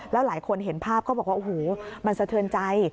แล้วหลายคนเห็นภาพก็บอกว่าโอ้โหมันสะเทือนใจ